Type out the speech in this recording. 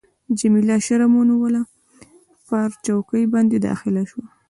جميله شرم ونیول، پر چوکۍ باندي داخله شوه.